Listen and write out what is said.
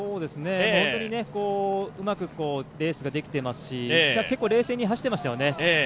本当にうまくレースができていますし、結構冷静に走ってましたよね。